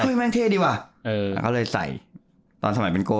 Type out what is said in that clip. เห้ยแม่งเท่ดีวะเออเขาเลยใส่ตอนสมัยเป็นโก้